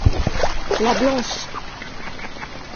La blanche.